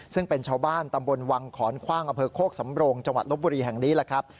ซึ่งเป็นชาวบ้านตำบลวังขอนคว่างอำเภอโคกสำโรงจังหวัดลบบุรีแห่งนี้แหละครับ